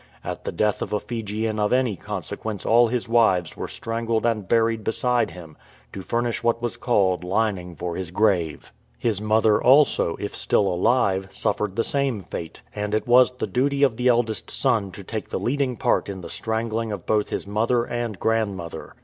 At the death of a Fijian of any consequence all his wives were strangled and buried beside him to furnish what was called "lining for his grave."' His mother also, if still alive, suffered the same fate ; and it was the duty of the eldest son to take the leading part in the strangling of both his mother and grandmother.